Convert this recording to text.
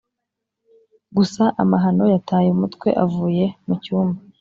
gusa amahano yataye umutwe avuye mucyumba